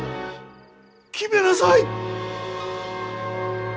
決めなさい。